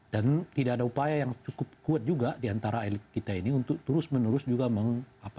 dan tidak ada upaya yang cukup kuat juga diantara elit kita ini untuk terus menerus juga mengapa